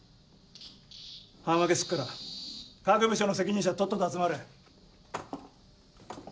班分けすっから各部署の責任者とっとと集まれ。